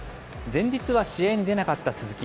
前日は試合に出なかった鈴木。